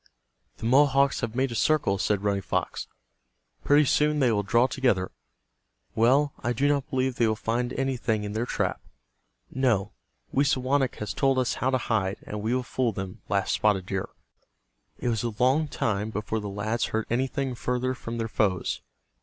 "The Mohawks have made a circle," said Running Fox. "Pretty soon they will draw together. Well, I do not believe they will find anything in their trap." "No, Wisawanik has told us how to hide, and we will fool them," laughed Spotted Deer. It was a long time before the lads heard anything further from their foes.